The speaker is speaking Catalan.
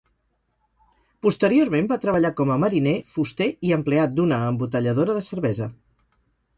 Posteriorment va treballar com a mariner, fuster i empleat d'una embotelladora de cervesa.